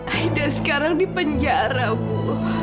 aida sekarang di penjara bu